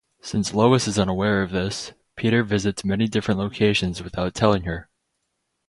Since Lois is unaware of this, Peter visits many different locations without telling her.